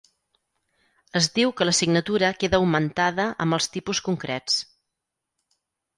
Es diu que la signatura queda augmentada amb els tipus concrets.